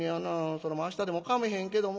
そら明日でもかめへんけども。